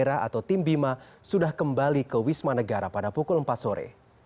atau tim bima sudah kembali ke wisma negara pada pukul empat sore